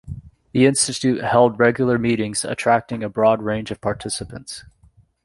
The institute held regular meetings attracting a broad range of participants.